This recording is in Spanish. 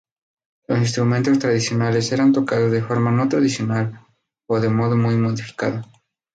Los instrumentos tradicionales eran tocados de forma no tradicional o de modo muy modificado.